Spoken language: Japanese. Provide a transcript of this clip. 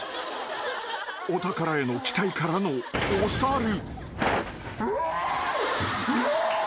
［お宝への期待からのお猿］